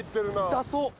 痛そう。